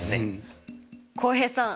浩平さん